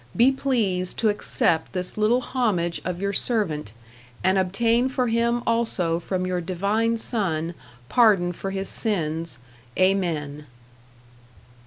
be pleased to accept this little homage of your servant, and obtain for him also from your divine Son pardon for his sins, Amen.